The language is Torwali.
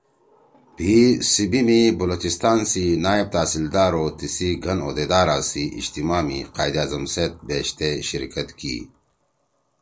بھی سبّی می بلوچستان سی نائب تحصیلدار او تیِسی گھن عُہدہ دارا سی اجتماع می قائداعظم سیت بیشتے شرکت کی